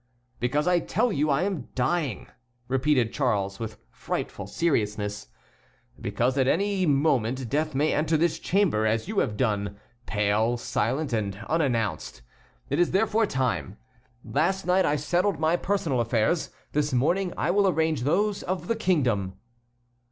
"Because I tell you I am dying," repeated Charles with frightful seriousness; "because at any moment death may enter this chamber, as you have done, pale, silent, and unannounced. It is, therefore, time. Last night I settled my personal affairs; this morning I will arrange those of the kingdom."